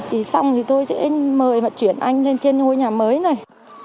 thì xong thì tôi sẽ mời vận chuyển anh lên trên ngôi nhà mới này